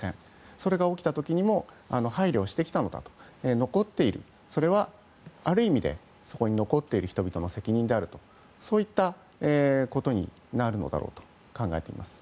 それが起きた時にも配慮してきたのだとそれはある意味でそこに残っている人々の責任であるといったことになるだろうと考えています。